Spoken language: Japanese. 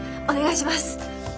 お願いします！